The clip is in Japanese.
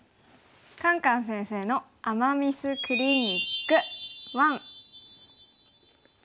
「カンカン先生の“アマ・ミス”クリニック１」。